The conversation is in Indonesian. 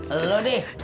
lo nih duduk dah